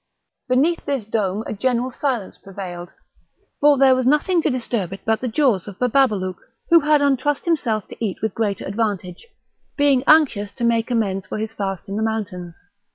Beneath this dome a general silence prevailed, for there was nothing to disturb it but the jaws of Bababalouk, who had untrussed himself to eat with greater advantage, being anxious to make amends for his fast in the mountains.